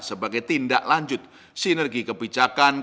sebagai tindak lanjut sinergi kebijakan